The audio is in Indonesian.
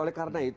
oleh karena itu